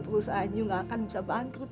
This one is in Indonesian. perusahaan yu gak akan bisa bangkrut